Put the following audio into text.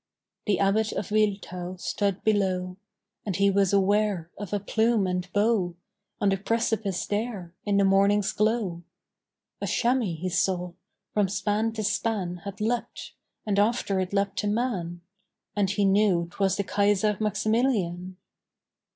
The Abbot of Wiltau stood below; And he was aware of a plume and bow On the precipice there in the morning's glow, A chamois, he saw, from span to span Had leapt; and after it leapt a man; And he knew 'twas the Kaiser Maximilian.